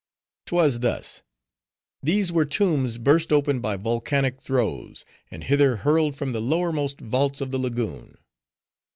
"'Twas thus. These were tombs burst open by volcanic throes; and hither hurled from the lowermost vaults of the lagoon.